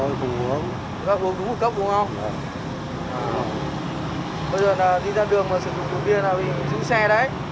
bây giờ là đi ra đường mà sử dụng chữ bia là dùng xe đấy